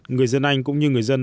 người dân anh cũng như người dân mỹ